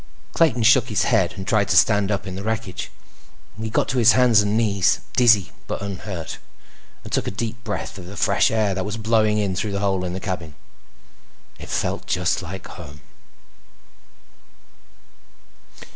Clayton shook his head and tried to stand up in the wreckage. He got to his hands and knees, dizzy but unhurt, and took a deep breath of the fresh air that was blowing in through the hole in the cabin. It felt just like home.